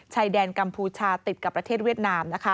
ชายแดนกัมพูชาติดกับประเทศเวียดนาม